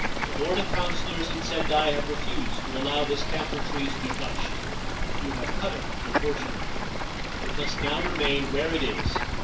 The board of councillors in Sendai have refused to. allow this camphor tree to be touched. You have cut it, unfortunately. It must now remain where it is.